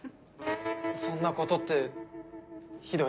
「そんなこと」ってひどい。